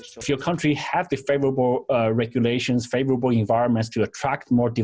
kami memiliki banyak pengembang dan pembangunan di area ini